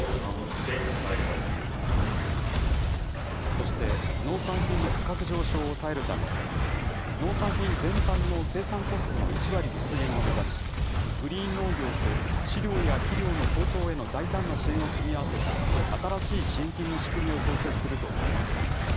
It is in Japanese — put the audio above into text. そして、農産品の価格上昇を抑えるため、農産品全般の生産コストの１割削減を目指し、グリーン農業と飼料や肥料の高騰への大胆な支援を組み合わせた新しい支援金の仕組みを創設すると述べました。